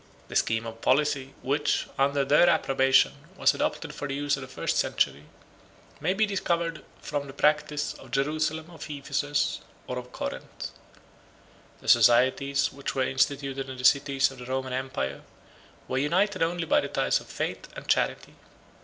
The scheme of policy, which, under their approbation, was adopted for the use of the first century, may be discovered from the practice of Jerusalem, of Ephesus, or of Corinth. The societies which were instituted in the cities of the Roman empire were united only by the ties of faith and charity.